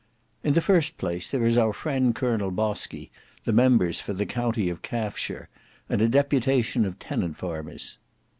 "In the first place, there is our friend Colonel Bosky, the members for the county of Calfshire, and a deputation of tenant farmers."